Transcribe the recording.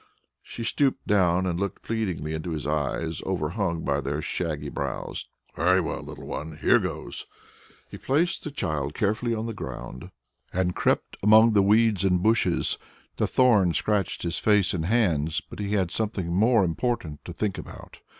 She stooped down and looked pleadingly into his eyes overhung by their shaggy brows. "Very well, little one! Here goes!" He placed the child carefully on the ground and crept among the reeds and bushes. The thorns scratched his face and hands, but he had something more important to think about.